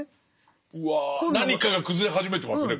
うわ何かが崩れ始めてますね